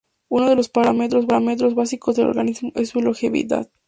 Uno de los parámetros básicos del organismo es su longevidad.